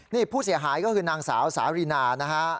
นี่ผู้เสียหายก็คือนางสาวสารีนานะฮะ